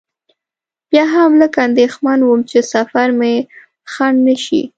بیا هم لږ اندېښمن وم چې سفر مې خنډ نه شي.